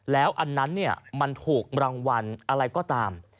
แล้วอันนั้นมันถูกรางวัลอะไรก็ตาม